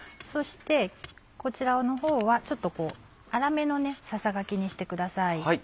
そしてこちらのほうはちょっとこう粗めのささがきにしてください。